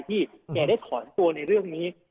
แกได้ถอนตัวในเรื่องนี้